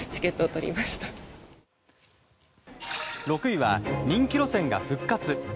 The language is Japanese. ６位は人気路線が復活。